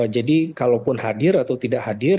jadi kalaupun hadir atau tidak hadir